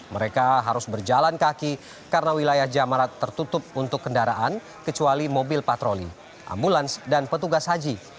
mereka harus berjalan kaki karena wilayah jamarat tertutup untuk kendaraan kecuali mobil patroli ambulans dan petugas haji